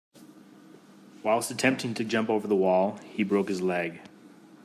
Whilst attempting to jump over the wall, he broke his leg.